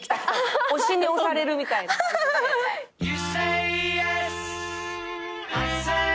推しに推されるみたいな感じで。